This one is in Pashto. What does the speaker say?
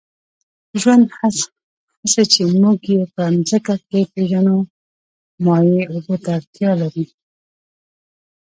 ژوند، هغسې چې موږ یې په مځکه کې پېژنو، مایع اوبو ته اړتیا لري.